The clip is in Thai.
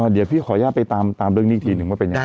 เดี๋ยวพี่ขออนุญาตไปตามเรื่องนี้อีกทีหนึ่งว่าเป็นยังไง